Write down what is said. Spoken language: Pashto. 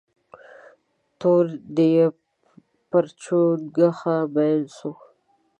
تور ديب پر چونگوښه مين سو.